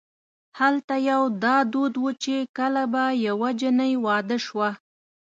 هلته یو دا دود و چې کله به یوه جنۍ واده شوه.